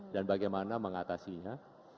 dan bagaimana mengatasinya